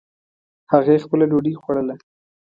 هغې خپله ډوډۍ خوړله